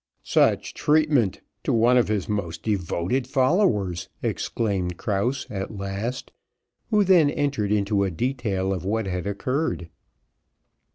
"Such treatment to one of his most devoted followers," exclaimed Krause, at last, who then entered into a detail of what had occurred.